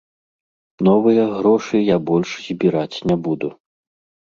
Новыя грошы я больш збіраць не буду.